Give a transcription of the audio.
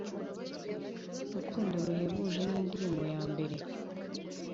Urukundo ruhebuje, n'indirimbo ya mbere